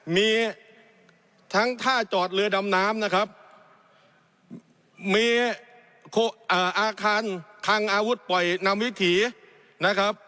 มีทั้งท่าจอดเรือดำน้ำนะครับมีอาคารคังอาวุธปล่อยนำวิถีนะครับ